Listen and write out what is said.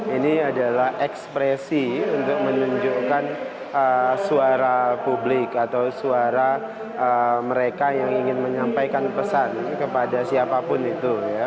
ini adalah ekspresi untuk menunjukkan suara publik atau suara mereka yang ingin menyampaikan pesan kepada siapapun itu